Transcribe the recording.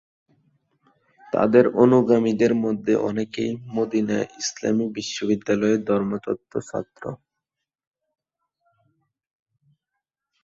তাদের অনুগামীদের মধ্যে অনেকেই মদিনা ইসলামী বিশ্ববিদ্যালয়ে ধর্মতত্ত্ব ছাত্র।